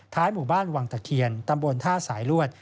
หมู่บ้านวังตะเคียนตำบลท่าสายลวด